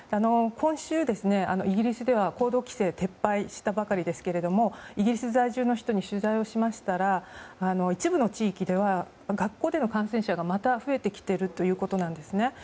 今週、イギリスでは行動規制を撤廃したばかりですがイギリス在住の人に取材をしましたら一部の地域では学校では感染者がまた増えてきているということなんです。